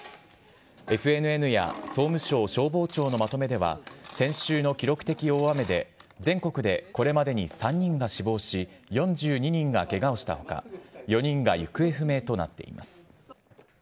ＦＮＮや総務省消防庁のまとめでは、先週の記録的大雨で全国でこれまでに３人が死亡し、４２人がけがをしたほか、４人が行方不明となっています。